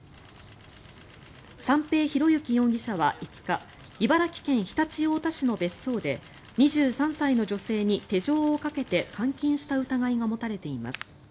三瓶博幸容疑者は５日茨城県常陸太田市の別荘で２３歳の女性に手錠をかけて監禁した疑いが持たれています。